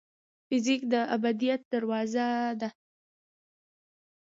فزیک د ابدیت دروازه ده.